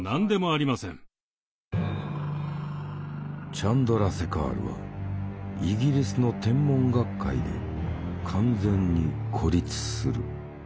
チャンドラセカールはイギリスの天文学会で完全に孤立する。